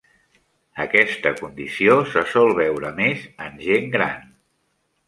Aquesta condició se sol veure més en gent gran.